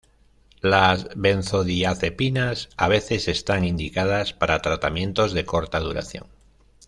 Las benzodiazepinas a veces están indicadas para tratamientos de corta duración.